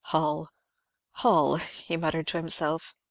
"Hull, Hull!" he muttered to himself.